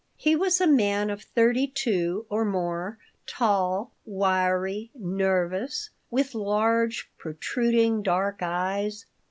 He was a man of thirty two or more, tall, wiry, nervous, with large, protruding, dark eyes.